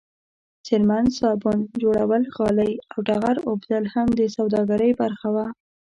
څرمن، صابون جوړول، غالۍ او ټغر اوبدل هم د سوداګرۍ برخه وه.